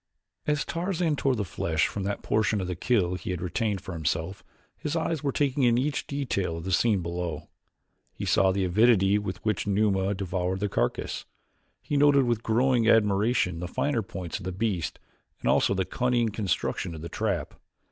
As Tarzan tore the flesh from that portion of the kill he had retained for himself his eyes were taking in each detail of the scene below. He saw the avidity with which Numa devoured the carcass; he noted with growing admiration the finer points of the beast, and also the cunning construction of the trap.